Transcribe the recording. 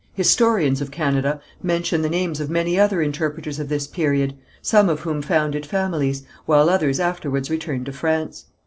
Historians of Canada mention the names of many other interpreters of this period, some of whom founded families, while others afterwards returned to France.